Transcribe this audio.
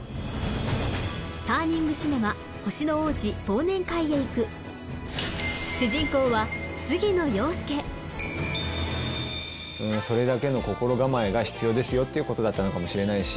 ターニングシネマ主人公はそれだけの心構えが必要ですよっていうことだったのかもしれないし。